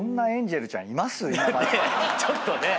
ちょっとね。